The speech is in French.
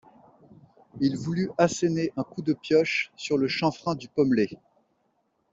Il voulut asséner un coup de pioche sur le chanfrein du pommelé.